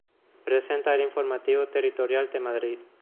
Presenta el Informativo Territorial de Madrid.